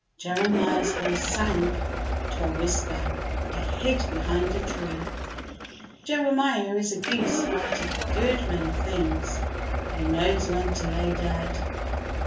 Jeremiah's voice sank to a whisper and he hid behind a tree. Jeremiah is a goose about a good many things, but he knows when to lay dead.